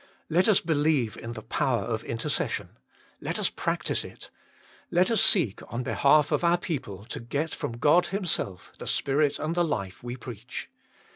Let us believe in the power of intercession. Let us practise it. Let us seek on behalf of our people to get from God Himself the Spirit and the Life we preach.